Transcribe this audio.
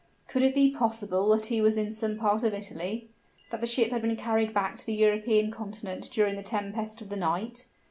Could it be possible that he was in some part of Italy? that the ship had been carried back to the European Continent during the tempest of the night?